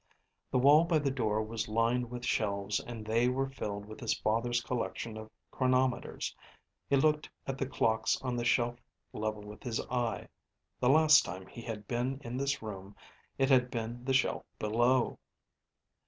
The wall by the door was lined with shelves and they were filled with his father's collection of chronometers. He looked at the clocks on the shelf level with his eye. The last time he had been in this room, it had been the shelf below.